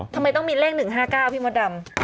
ทำไมต้องมีเลข๑๕๙พี่มดดำ